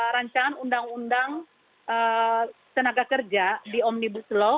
rancangan undang undang tenaga kerja di omnibus law